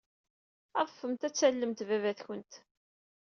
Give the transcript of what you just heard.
Adfemt ad tallemt baba-twent.